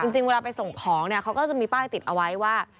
จริงเวลาไปส่งของเนี่ยเขาก็จะมีป้ายติดเอาไว้ว่า